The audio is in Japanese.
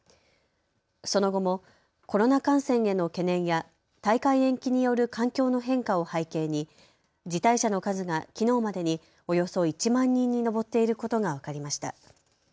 その後もコロナ感染への懸念や大会延期による環境の変化を背景に辞退者の数がきのうまでにおよそ１万人に上っていることが分かりました。